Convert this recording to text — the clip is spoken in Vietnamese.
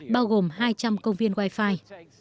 bao gồm hai trăm linh công viên wi fi